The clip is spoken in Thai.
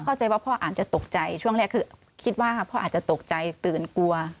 เข้าใจว่าพ่ออาจจะตกใจช่วงแรกคือคิดว่าพ่ออาจจะตกใจตื่นกลัว